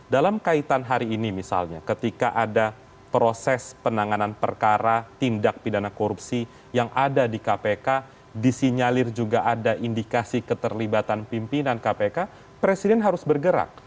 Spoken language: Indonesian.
dalam kaitan hari ini misalnya ketika ada proses penanganan perkara tindak pidana korupsi yang ada di kpk disinyalir juga ada indikasi keterlibatan pimpinan kpk presiden harus bergerak